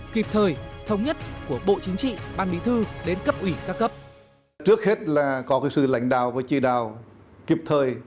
kịp thời thống nhất của bộ chính trị ban bí thư đến cấp ủy các cấp